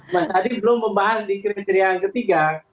mas adi belum membahas di kriteria ketiga